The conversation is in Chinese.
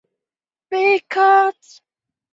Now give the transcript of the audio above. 并担任社会和法制委员会专委。